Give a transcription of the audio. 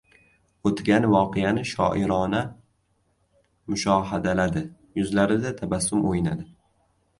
O‘tgan voqeani shoirona mushohadaladi… Yuzlarida tabassum o‘ynadi.